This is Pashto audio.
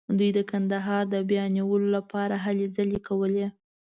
دوی د کندهار د بیا نیولو لپاره هلې ځلې کولې.